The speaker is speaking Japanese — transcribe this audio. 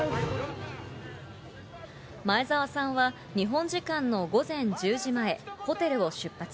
前澤さんは日本時間の午前１０時前、ホテルを出発。